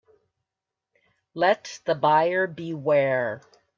Let the buyer beware.